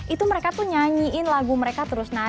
itu mereka tuh nyanyiin lagu mereka terus naik